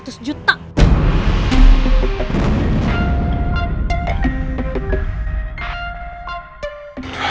dua setafirun hajim